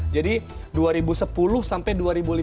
jadi dua ribu sepuluh sampai dua ribu lima belas